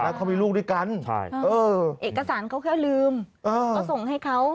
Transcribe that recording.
เขามีลูกด้วยกันใช่เออเอกสารเขาแค่ลืมก็ส่งให้เขา